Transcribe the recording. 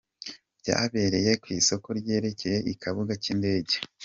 Byabereye ku isoko ryegereye ikibuga cy’indege.